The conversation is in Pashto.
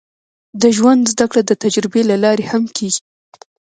د ژوند زده کړه د تجربې له لارې هم کېږي.